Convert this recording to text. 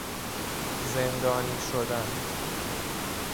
زندانی شدن